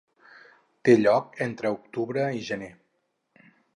Té lloc entre octubre i gener.